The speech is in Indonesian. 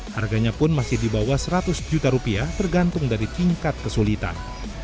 harganya pun masih di bawah seratus juta rupiah tergantung dari tingkat kesulitan